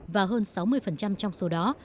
và hơn sáu mươi trong số đó